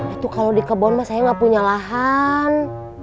itu kalau di kebun mah saya gak punya lahan